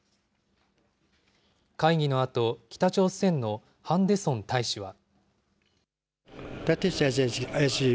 会議のあと、北朝鮮のハン・デソン大使は。